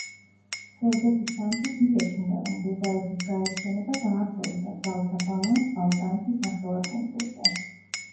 სერბეთის სამეფოს მიაჩნდა, რომ ბულგარეთის გაერთიანება დაარღვევდა ძალთა ბალანსს ბალკანეთის ნახევარკუნძულზე.